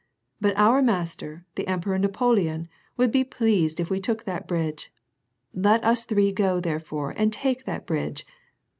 But our master, the Emperor Napoleon, would be pleased if we took that bridge. Let us three go therefore and take that bridge.'